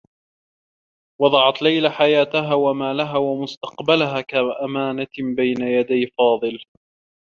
وضعت ليلى حياتها و مالها و مستقبلها كأمانة بين يدي فاضل.